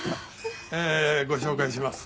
えーご紹介します。